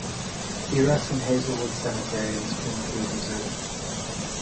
He rests in Hazelwood Cemetery in Springfield, Missouri.